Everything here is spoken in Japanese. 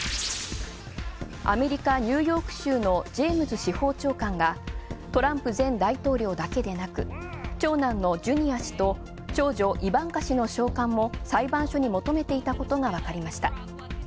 アメリカ、ニューヨーク州のジェームズ司法長官が、トランプ前大統領だけでなく、長男のジュニア氏と長女・イバンカ氏の召喚も裁判所に求めていたことがわかりました。